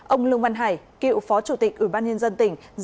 ông lương văn hải cựu phó chủ tịch ủy ban nhân dân tỉnh